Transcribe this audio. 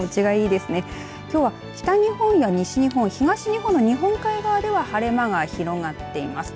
きょうは北日本や東日本の日本海側では晴れ間が広がっています。